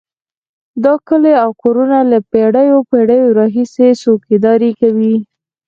دا کلي او کورونه له پېړیو پېړیو راهیسې څوکیداري کوي.